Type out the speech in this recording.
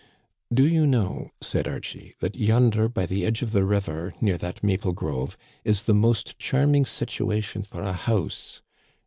" Do you know," said Archie, " that yonder by the edge of the river, near that maple grove, is the most charming situation for a house.